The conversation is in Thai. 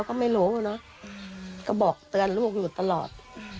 ก็บอกเตือนลูกอยู่ตลอด